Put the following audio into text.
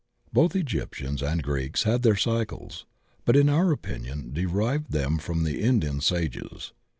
Both Egyptians and Greeks had their cycles, but in our opinion derived them from the Indian Sages.